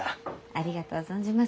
ありがとう存じます。